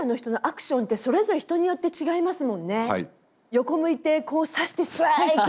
横向いてこう指して「ストライク！」